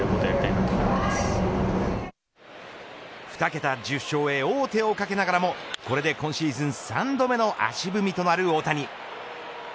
２桁１０勝へ王手をかけながらのこれで今シーズン３度目の足踏みとなる大谷。